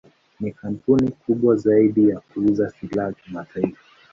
Ni kampuni kubwa zaidi ya kuuza silaha kimataifa.